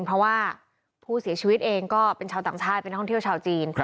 เพราะว่าผู้เสียชีวิตเองก็เป็นชาวต่างชาติเป็นนักท่องเที่ยวชาวจีน